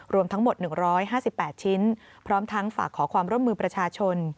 รวมทั้งหมด๑๕๘ชิ้นพร้อมทั้งฝากขอความร่วมมือประชาชน